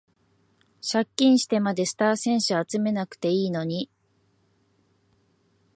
借金してまでスター選手集めなくてもいいのに